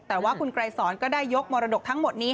แต่ว่าคุณไกรสอนก็ได้ยกมรดกทั้งหมดนี้